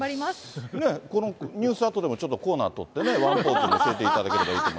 このニュースあとでも、ちょっとコーナー取ってね、ワンポーズ教えていただければいいなと思